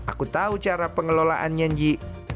aku tahu cara pengelolaannya nji